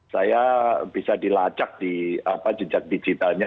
saya bisa dilacak di jejak digitalnya